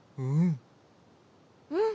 うん。